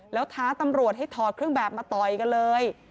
แล้วท้าตำรวจให้ถอดเครื่องแบบมาต่อยกันเลย